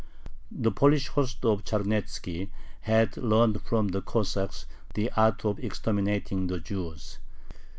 The Polish hosts of Charnetzki had learned from the Cossacks the art of exterminating the Jews.